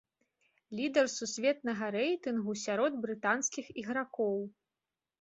Лідар сусветнага рэйтынгу сярод брытанскіх ігракоў.